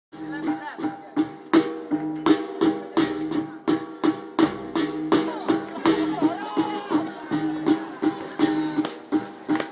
walau tiba tiba lambet issues telah mengadakan perwujudan wakil